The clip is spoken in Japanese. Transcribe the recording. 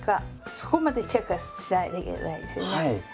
そこまでチェックしないといけないですね。